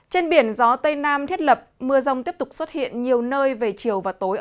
trên biển gió tây nam thiết lập mưa rông tiếp tục xuất hiện nhiều nơi về chiều và tối